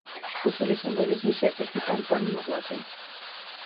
რუსული სიმბოლიზმის ერთ-ერთი წამყვანი მოღვაწე.